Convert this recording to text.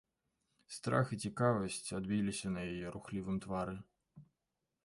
Страх і цікавасць адбіліся на яе рухлівым твары.